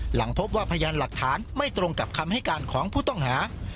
หลักฐานไม่ตรงกับคำให้การของผู้ต้องหา